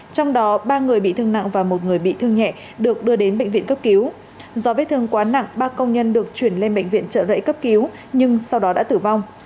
trong đó ba người bị thương nặng và một người bị thương nhẹ được đưa đến bệnh viện cấp cứu do vết thương quá nặng ba công nhân được chuyển lên bệnh viện trợ rẫy cấp cứu nhưng sau đó đã tử vong